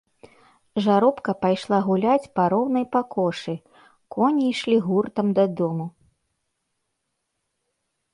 Жаробка пайшла гуляць па роўнай пакошы, коні ішлі гуртам дадому.